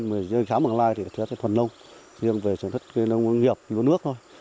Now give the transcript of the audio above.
mà dưới khá mực lai thì theo cái thuần nông riêng về sản xuất nông nghiệp nước thôi